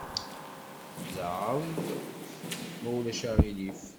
Zɛeḍ, ma ulac aɣilif.